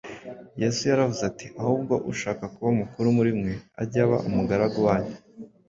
Yesu yaravuze ati, “Ahubwo ushaka kuba mukuru muri mwe ajye aba umugaragu wanyu,